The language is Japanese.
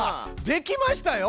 できましたよ。